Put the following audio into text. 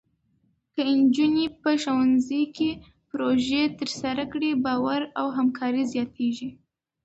که نجونې په ښوونځي کې پروژې ترسره کړي، باور او همکاري زیاتېږي.